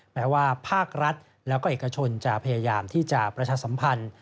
แม้ว่าภาครัฐแล้วก็เอกชนจะพยายามที่จะประชาสัมพันธ์